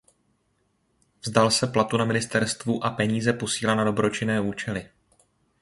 Vzdal se platu na ministerstvu a peníze posílá na dobročinné účely.